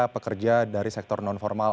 pekerja dari sektor non formal